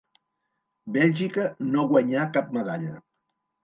Bèlgica no guanyà cap medalla.